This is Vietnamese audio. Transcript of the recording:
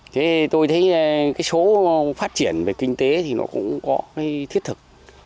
thế tôi thấy số phát triển về kinh tế thì nó cũng có thiết thực